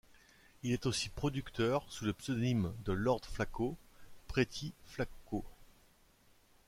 Il est aussi producteur, sous le pseudonyme de Lord Flacko, Pretty Flacko.